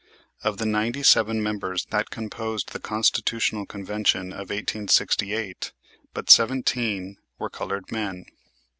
Of the ninety seven members that composed the Constitutional Convention of 1868 but seventeen were colored men.